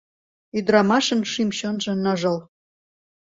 Ӱдырамашын Шӱм-чонжо ныжыл.